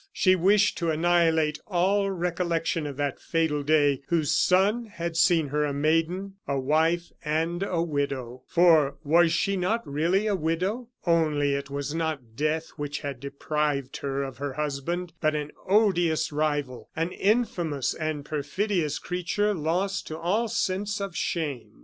She wished to annihilate all recollection of that fatal day whose sun had seen her a maiden, a wife, and a widow. For was she not really a widow? Only it was not death which had deprived her of her husband, but an odious rival an infamous and perfidious creature lost to all sense of shame.